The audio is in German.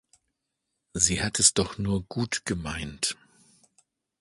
Sie hat es doch nur gut gemeint.